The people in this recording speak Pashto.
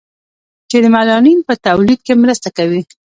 چې د میلانین په تولید کې مرسته کوي.